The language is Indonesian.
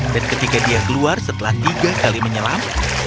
dan ketika dia keluar setelah tiga kali menyelam